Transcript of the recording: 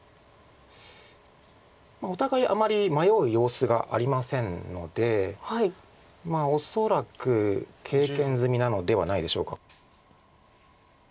お互いあまり迷う様子がありませんのでまあ恐らく経験済みなのではないでしょうか。